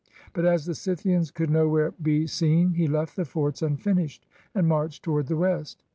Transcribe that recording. But as the Scythians could nowhere be seen he left the forts unfinished, and marched toward the west.